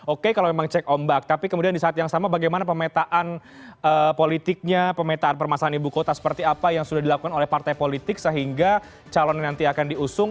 oke kalau memang cek ombak tapi kemudian di saat yang sama bagaimana pemetaan politiknya pemetaan permasalahan ibu kota seperti apa yang sudah dilakukan oleh partai politik sehingga calon yang nanti akan diusung